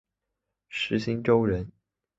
石星川人。